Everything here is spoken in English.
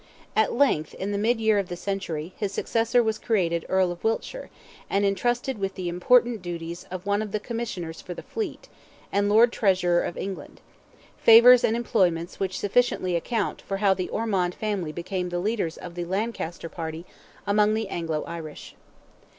At length, in the mid year of the century, his successor was created Earl of Wiltshire, and entrusted with the important duties of one of the Commissioners for the fleet, and Lord Treasurer of England; favours and employments which sufficiently account for how the Ormond family became the leaders of the Lancaster party among the Anglo Irish.